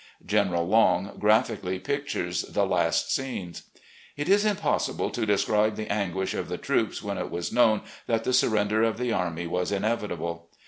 General Long graphically pic tures the last scenes; " It is impossible to describe the anguish of the troops when it was known that the surrender of the army was inevitable.